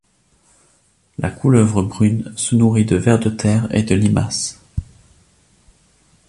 La couleuvre brune se nourrit de vers de terre et de limaces.